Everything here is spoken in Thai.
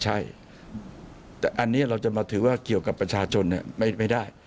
ใช่แต่อันนี้เราจะมาถือว่าเกี่ยวกับประชาชนไม่ได้